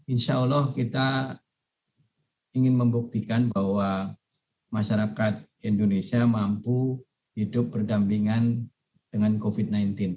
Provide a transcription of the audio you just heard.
insya allah kita ingin membuktikan bahwa masyarakat indonesia mampu hidup berdampingan dengan covid sembilan belas